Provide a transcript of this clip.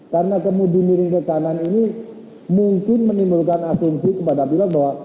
karena kemudi miring ke kanan ini mungkin menimbulkan asumsi kepada pilot bahwa